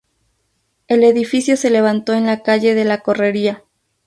El edificio se levantó en la calle de la Correría.